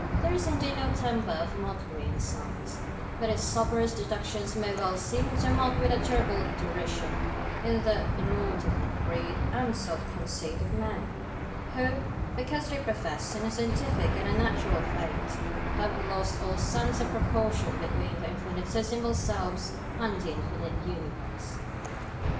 There is indeed no temper of mockery in Science, but its soberest deductions may well seem to mock with a terrible derision the inordinate greed and self conceit of men, who, because they profess an unscientific and unnatural faith, have lost all sense of proportion between their infinitesimal selves and the infinite Universe.